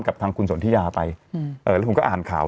กับทางคุณสนทิยาไปแล้วผมก็อ่านข่าว